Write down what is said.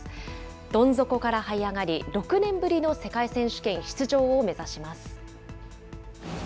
どん底からはい上がり、６年ぶりの世界選手権出場を目指します。